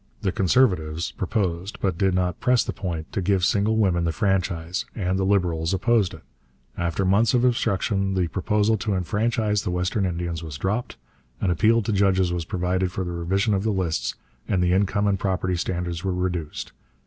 The 'Conservatives' proposed, but did not press the point, to give single women the franchise, and the 'Liberals' opposed it. After months of obstruction the proposal to enfranchise the western Indians was dropped, an appeal to judges was provided for the revision of the lists, and the income and property standards were reduced.